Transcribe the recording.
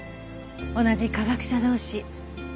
同じ科学者同士